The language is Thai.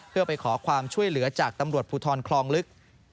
เพื่อไปขอความช่วยเหลือจากตำรวจภูทรคลองลึก